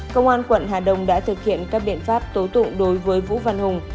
công an quận hà đông đã thực hiện các biện pháp tố tụng đối với vũ văn hùng